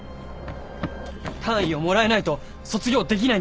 単位をもらえないと卒業できないんです。